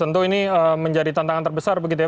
tentu ini menjadi tantangan terbesar begitu ya